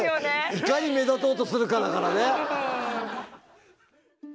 いかに目立とうとするかだからね。